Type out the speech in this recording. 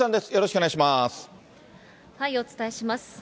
お伝えします。